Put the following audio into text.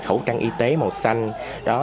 khẩu trang y tế màu xanh đó